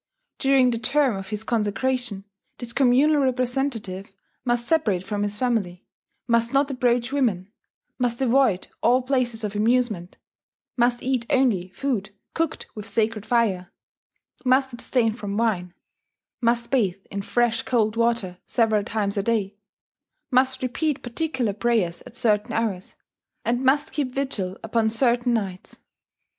During the term of his consecration, this communal representative must separate from his family, must not approach women, must avoid all places of amusement, must eat only food cooked with sacred fire, must abstain from wine, must bathe in fresh cold water several times a day, must repeat particular prayers at certain hours, and must keep vigil upon certain nights.